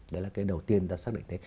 đấy là cái đầu tiên ta xác định thế